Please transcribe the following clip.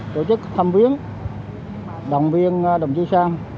tổ chức thăm biến đồng viên đồng chí sang